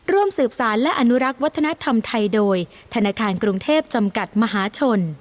ร่วมสืบสารและอนุรักษ์วัฒนธรรมไทยโดยธนาคารกรุงเทพจำกัดมหาชน